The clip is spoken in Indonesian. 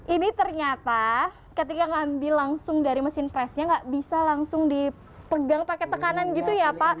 ini ternyata ketika ngambil langsung dari mesin presnya nggak bisa langsung dipegang pakai tekanan gitu ya pak